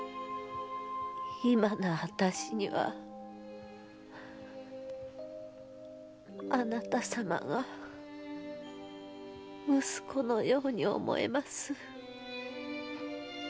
今のあたしにはあなた様が息子のように思えます。